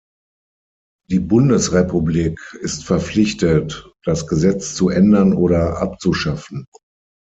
Die Bundesrepublik ist verpflichtet, das Gesetz zu ändern oder abzuschaffen.